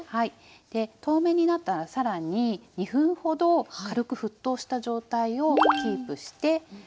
で透明になったらさらに２分ほど軽く沸騰した状態をキープして溶かして下さい。